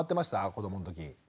子どもの時。